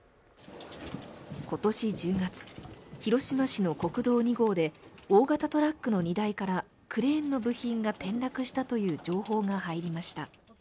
今年１０月、広島市の国道２号で大型トラックの荷台からクレーンの部品が転落したという情報が入りました。